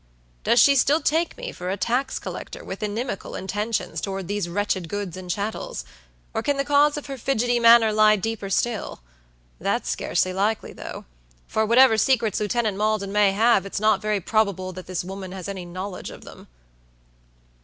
"Does she still take me for a tax collector with inimical intentions toward these wretched goods and chattels; or can the cause of her fidgety manner lie deeper still. That's scarcely likely, though; for whatever secrets Lieutenant Maldon may have, it's not very probable that this woman has any knowledge of them."